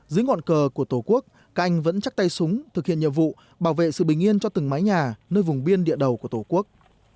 dưới ngọn cờ của tổ quốc các anh vẫn chắc tay súng thực hiện nhiệm vụ bảo vệ sự bình yên cho từng mái nhà nơi vùng biên địa đầu của tổ quốc